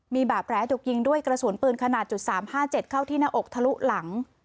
มีบาปแร้ดกยิงด้วยกระสุนปืนขนาดจุดสามห้าเจ็ดเข้าที่หน้าอกทะลุหลัง